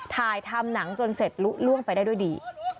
ถ่ายทำหนังจนเสร็จลุล่วงไปได้ด้วยดี